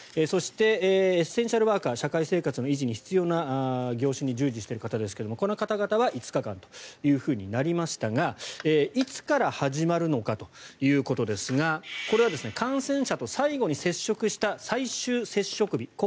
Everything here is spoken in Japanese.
そして、エッセンシャルワーカー社会生活の維持に必要な仕事に従事している方ですがこの方々は５日間となりましたがいつから始まるのかということですがこれは感染者と最後に接触した最終接触日